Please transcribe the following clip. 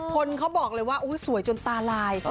คนเขาบอกเลยว่าสวยจนตาลาย